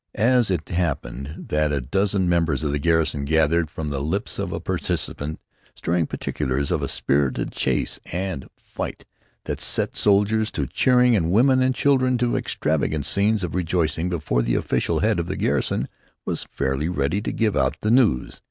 And so it happened that a dozen members of the garrison gathered, from the lips of a participant, stirring particulars of a spirited chase and fight that set soldiers to cheering and women and children to extravagant scenes of rejoicing before the official head of the garrison was fairly ready to give out the news.